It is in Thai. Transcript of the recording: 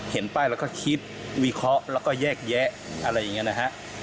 เห็นป้ายแล้วก็คิดวิเคราะห์แล้วก็แยกแยะอะไรอย่างนี้นะฮะ